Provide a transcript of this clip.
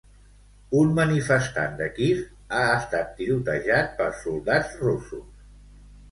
Un manifestant de Kiev ha estat tirotejat per soldats russos.